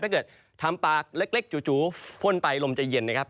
ถ้าเกิดทำปากเล็กจู่พ่นไปลมจะเย็นนะครับ